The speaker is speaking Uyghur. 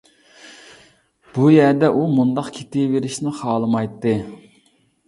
بۇ يەردە ئۇ مۇنداق كېتىۋېرىشنى خالىمايتتى.